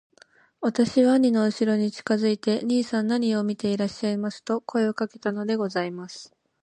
私は兄のうしろに近づいて『兄さん何を見ていらっしゃいます』と声をかけたのでございます。